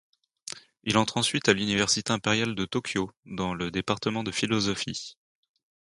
Il entre ensuite à l’Université impériale de Tokyo, dans le département de philosophie.